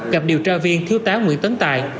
gặp điều tra viên thiếu tá nguyễn tấn tài